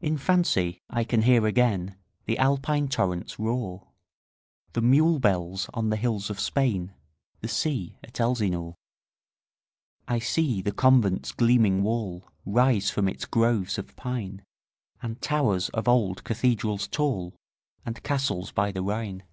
In fancy I can hear again The Alpine torrent's roar, The mule bells on the hills of Spain, 15 The sea at Elsinore. I see the convent's gleaming wall Rise from its groves of pine, And towers of old cathedrals tall, And castles by the Rhine.